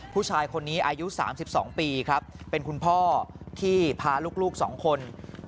ผู้ชายคนนี้อายุ๓๒ปีครับเป็นคุณพ่อที่พาลูก๒คน